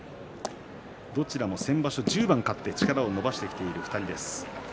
どちらも先場所１０番どちらも力を伸ばしていっている２人です。